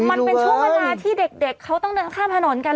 มันเป็นช่วงเวลาที่เด็กเขาต้องเดินข้ามถนนกัน